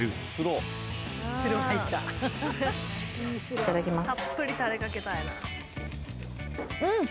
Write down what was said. いただきます。